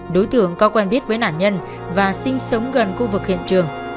đối tượng có quen biết với nạn nhân và sinh sống gần khu vực hiện trường